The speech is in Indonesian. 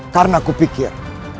karena aku pikir